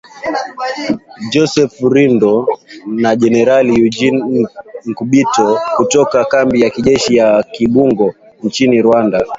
Joseph Rurindo na jenerali Eugene Nkubito, kutoka kambi ya kijeshi ya Kibungo nchini Rwanda